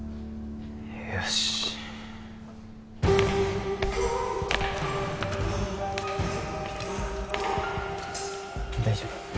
よし大丈夫